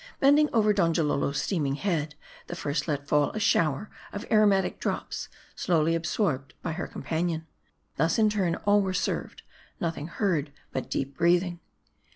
% Bending over Donjalolo's steaming head, the first let fall a shower of aro matic drops, slowly aborbed by her companion. Thus, in turn, all were served \ nothing heard but deep breathing.